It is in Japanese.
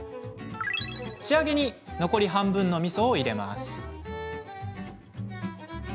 仕上げに、残り半分のみそを入れていきます。